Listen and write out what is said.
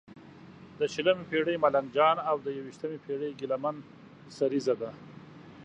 د شلمې پېړۍ ملنګ جان او د یوویشمې پېړې ګیله من سریزه ده.